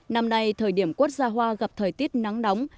năm nay thời điểm quất ra hoa gặp thời tiết nắng nóng